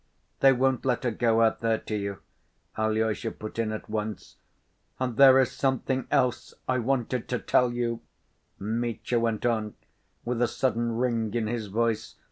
"They won't let her go out there to you," Alyosha put in at once. "And there is something else I wanted to tell you," Mitya went on, with a sudden ring in his voice.